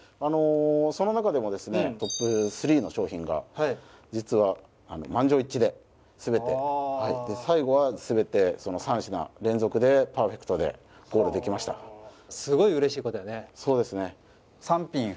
その中でもですねＴＯＰ３の商品が実は満場一致で全て最後は全てその３品連続でパーフェクトでゴールできましたそうですね